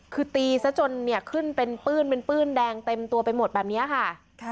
คือตีซะจนเนี่ยขึ้นเป็นปื้นเป็นปื้นแดงเต็มตัวไปหมดแบบนี้ค่ะ